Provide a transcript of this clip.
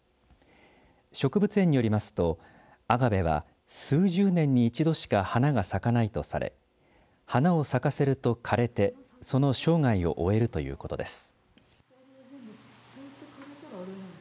植物園によりますとアガベは数十年に一度しか花が咲かないとされ花を咲かせると枯れてその生涯を終えるということです。